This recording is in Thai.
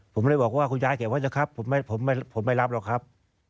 ผมเลยบอกว่าคุณยายเก็บไว้เถอะครับผมไม่รับหรอกครับ